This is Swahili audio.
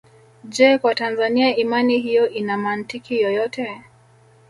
Je Kwa Tanzania imani hiyo ina mantiki yoyote